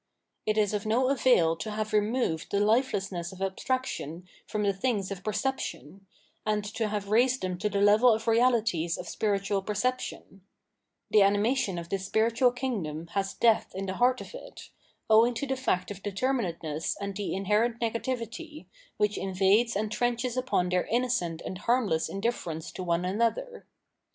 It is of no avail to have removed the lifelessness of abstraction from the things of perception, and to have raised them to the level of realities of spiritnal perception : the a n i m ation of this spiritual kingdom has death in the heart of it, owing to the fact of deter minateness and the ioherent negativity, which invades and trenches upon their innocent and harmless indiffer ence to one another.